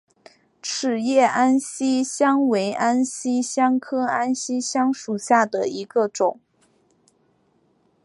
齿叶安息香为安息香科安息香属下的一个种。